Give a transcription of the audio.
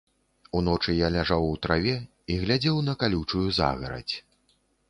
Уночы я ляжаў у траве і глядзеў на калючую загарадзь.